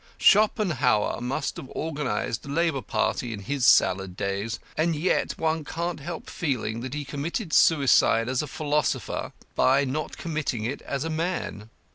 Schopenhauer must have organised a Labour Party in his salad days. And yet one can't help feeling that he committed suicide as a philosopher by not committing it as a man.